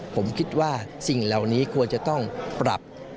ผมคิดว่าสิ่งเหล่านี้ควรจะต้องปรับ